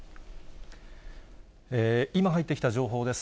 今入ってきた情報です。